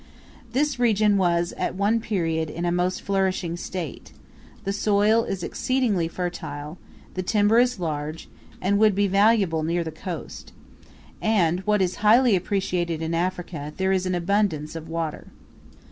This region was at one period in a most flourishing state; the soil is exceedingly fertile; the timber is large, and would be valuable near the coast; and, what is highly appreciated in Africa, there is an abundance of water.